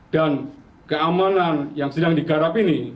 dan keamanan yang sedang digarap ini